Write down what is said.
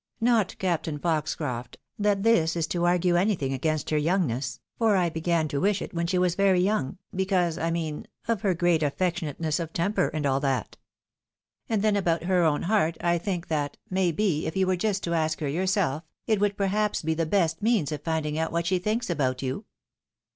Not, Captain Foxcroft, that this is to argue anytliing against her youngness, for I began to wish it when she was very young, because, I mean, of her great affectionateness of temper, and all that. And then, about her own heart, I think that, may be, if you were just to ask her yourself, it would perhaps be the best means of finding out what she thinks about you."